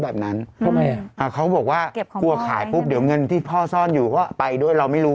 แล้วรถตู้อยู่ไหนก็ไม่รู้